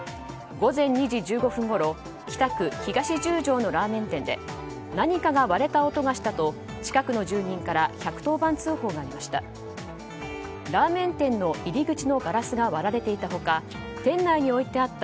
午前２時１５分ごろ北区東十条のラーメン店で何かが割れる音がしたと近くの住人から１１０番通報がありました。